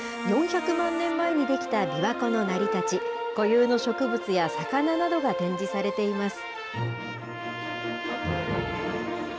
４００万年前に出来た琵琶湖の成り立ち、固有の植物や魚などが展示されています。